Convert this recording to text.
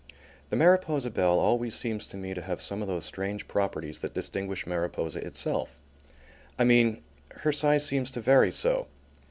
The Mariposa Belle always seems to me to have some of those strange properties that distinguish Mariposa itself. I mean, her size seems to vary so.